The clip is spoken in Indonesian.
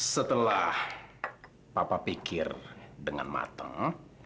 setelah papa pikir dengan mateng